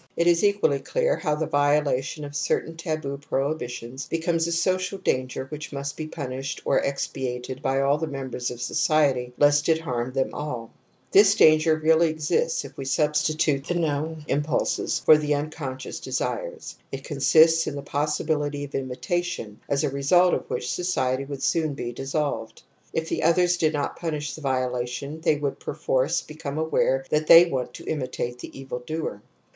It is equally clear how the violation of certain taboo prohibitions becomes a social danger which must be punished or expiated by all the members of society lest it harm them all. This danger really exists if we substitute the known THE AMBIVALENCE OF EMOTIONS 57 impulses for the unconscious desires. It con sists in the possibility of imitation, as a result of which society would soon be dissolved. If the others did not pimish the violation they would perforce become aware that they want to imitate the evil doer.